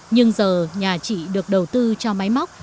nhưng giờ nhà chị được đầu tư cho máy móc